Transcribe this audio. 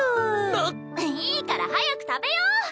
なっ⁉いいから早く食べよう！